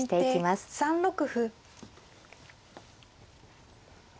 先手３六歩。